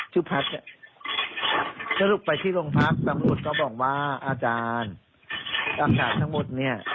ชื่อพัฒน์ถ้าลุกไปที่โรงพักษ์สำรวจก็บอกว่าอาจารย์อาจารย์ทั้งหมดเนี้ย